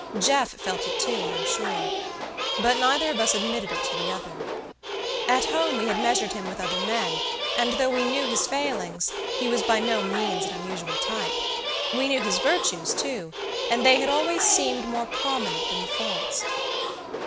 Jeff felt it too, I am sure; but neither of us admitted it to the other. At home we had measured him with other men, and, though we knew his failings, he was by no means an unusual type. We knew his virtues too, and they had always seemed more prominent than the faults.